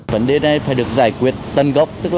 vấn đề này phải được giải quyết tân gốc